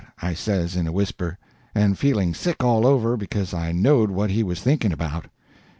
I says in a whisper, and feeling sick all over, because I knowed what he was thinking about.